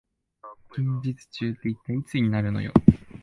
近日中って一体いつになるのよ